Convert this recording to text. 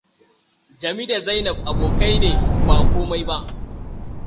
Jami da Zainab abokai ne, ba komai ba.